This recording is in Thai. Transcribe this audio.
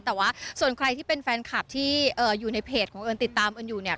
แต่ว่าส่วนใครที่เป็นแฟนคลับที่อยู่ในเพจของเอิญติดตามเอิญอยู่เนี่ย